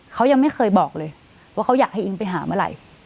เขายังไม่เคยบอกเลยว่าเขาอยากให้อิงไปหาเมื่อไหร่